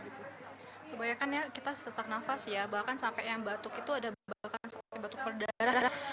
kebanyakan ya kita sesak napas ya bahkan sampai yang batuk itu ada batuk berdarah